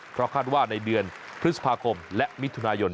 เพราะคาดว่าในเดือนพฤษภาคมและมิถุนายน